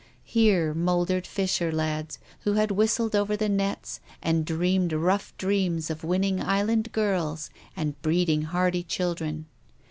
Here mouldered fisher lads, who had whistled over the nets, and dreamed rough dreams of winning island girls and breeding hardy children.